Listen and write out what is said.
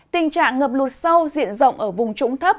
tình trạng ngập lụt sâu diện rộng ở vùng trũng thấp